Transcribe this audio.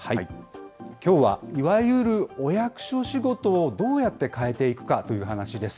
きょうはいわゆるお役所仕事をどうやって変えていくかという話です。